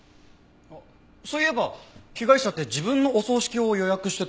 あっそういえば被害者って自分のお葬式を予約してたんだよね？